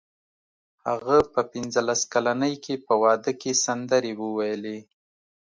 هغه په پنځلس کلنۍ کې په واده کې سندرې وویلې